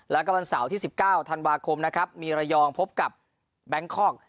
แล้วก็วันเสาร์ที่๑๙ธันวาคมนะครับมีระยองพบกับแบงคอก